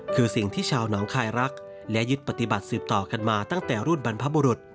คือสิ่งที่ชาวหนองคายรักและยึดปฏิบัติสืบต่อกันมาตั้งแต่รุ่นบรรพบุรุษ